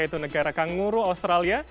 yaitu negara kanguru australia